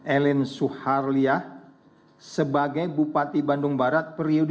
elin soeharlia sebagai bupati bandung barat periode dua ribu delapan belas dua ribu dua puluh tiga